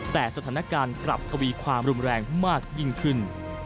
แต่สถานการณ์กลับทวีความรุนแรงมากยิ่งขึ้น